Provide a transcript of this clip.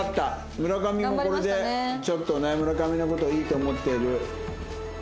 村上もこれでちょっとね村上の事いいと思ってる。